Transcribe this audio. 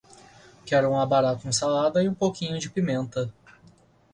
Quero um abará com salada e um pouquinho de pimenta